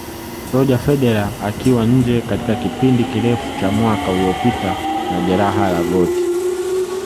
Roger Federer akiwa nje katika kipindi kirefu cha mwaka uliopita na Jeraha la goti